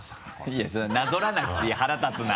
いやなぞらなくていい腹立つな。